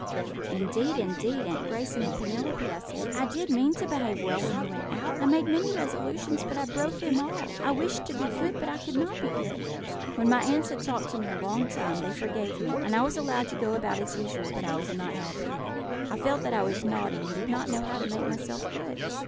"'Indeed, indeed, Aunt Grace and Aunt Penelope,' I said, 'I did mean to behave well when you went out; I made many resolutions, but I broke them all; I wished to be good, but I could not be good.' "When my aunts had talked to me a long time, they forgave me, and I was allowed to go about as usual, but I was not happy; I felt that I was naughty, and did not know how to make myself good.